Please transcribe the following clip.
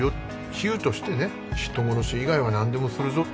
比喩としてね人殺し以外はなんでもするぞ。